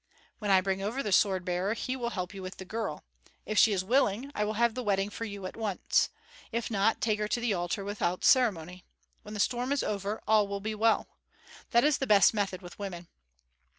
When I bring over the sword bearer, he will help you with the girl. If she is willing, I will have the wedding for you at once. If not, take her to the altar without ceremony. When the storm is over, all will be well. That is the best method with women.